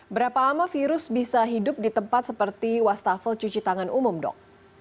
berapa lama virus bisa hidup di tempat seperti wastafel cuci tangan umum dok